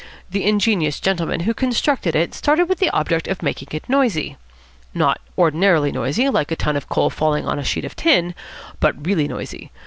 The ingenious gentlemen who constructed it started with the object of making it noisy. Not ordinarily noisy, like a ton of coal falling on to a sheet of tin, but really noisy.